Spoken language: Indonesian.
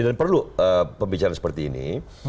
dan perlu pembicaraan seperti ini